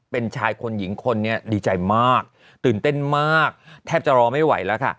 เป็นชายคนหญิงคนนี้ดีใจมากตื่นเต้นมากแทบจะรอไม่ไหวแล้วค่ะ